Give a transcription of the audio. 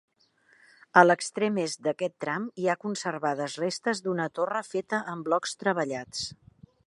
A l'extrem est d'aquest tram hi ha conservades restes d'una torre feta amb blocs treballats.